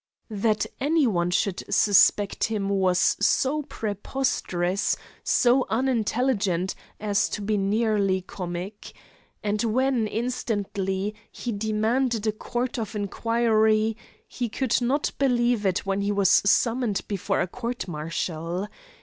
That any one should suspect him was so preposterous, so unintelligent, as to be nearly comic. And when, instantly, he demanded a court of inquiry, he could not believe it when he was summoned before a court martial.